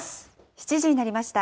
７時になりました。